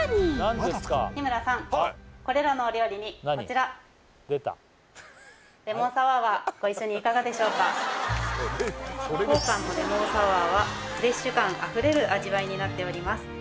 これらのお料理にこちらご一緒に当館のレモンサワーはフレッシュ感あふれる味わいになっております